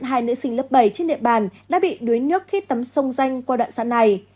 hai nữ sinh lớp bảy trên địa bàn đã bị đuối nước khi tắm sông danh qua đoạn xã này